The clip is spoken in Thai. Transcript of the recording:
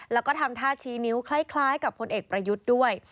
แล้วก็ทำท่าชี้นิ้วคล้ายกับพลเอกประยุทธ์ด้วย